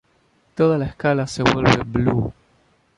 Toda la escala se vuelve blue"".